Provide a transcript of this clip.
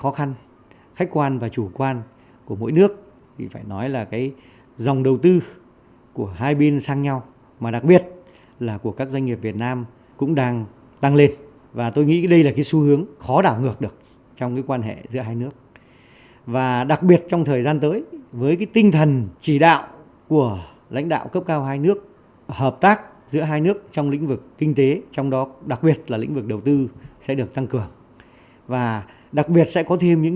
khó khăn khách quan và chủ quan của mỗi nước thì phải nói là cái dòng đầu tư của hai bên sang nhau mà đặc biệt là của các doanh nghiệp việt nam cũng đang tăng lên và tôi nghĩ đây là cái xu hướng khó đảo ngược được trong cái quan hệ giữa hai nước và đặc biệt trong thời gian tới với cái tinh thần chỉ đạo của lãnh đạo cấp cao hai nước hợp tác giữa hai nước trong lĩnh vực kinh tế trong đó đặc biệt là lĩnh vực đầu tư sẽ được tăng cường và đặc biệt sẽ có thể tăng cường